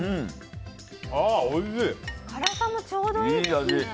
辛さもちょうどいいですね。